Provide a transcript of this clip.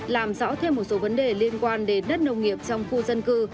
làm rõ thêm một số vấn đề liên quan đến đất nông nghiệp trong khu dân cư